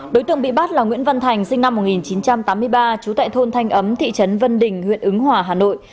đối tượng bị bắt là nguyễn văn thành sinh năm một nghìn chín trăm tám mươi ba trú tại thôn thanh ấm thị trấn vân đình huyện ứng hòa hà nội